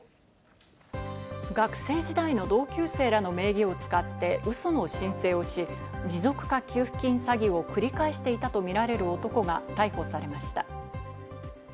学生時代の同級生らの名義を使ってウソの申請をし、持続化給付金詐欺を繰り返していたとみられる男が逮捕されました。